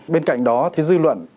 bên cạnh đó thì dư luận